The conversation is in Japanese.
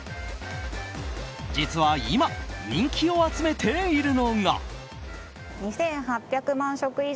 実は今、人気を集めているのが。